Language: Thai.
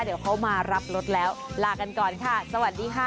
เดี๋ยวเขามารับรถแล้วลากันก่อนค่ะสวัสดีค่ะ